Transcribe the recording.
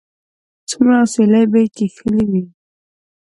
څومره اسويلي به یې کښلي وي